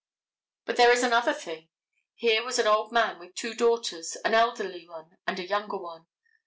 But there is another thing: Here was an old man with two daughters, an elderly one and a younger one.